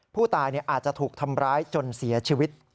ผู้ตายอาจจะถูกทำร้ายจนเสียชีวิต